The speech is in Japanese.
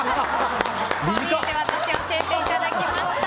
こう見えてワタシ教えていただきました。